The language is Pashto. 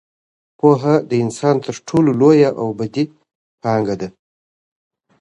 پوهه د انسان تر ټولو لویه او ابدي پانګه ده.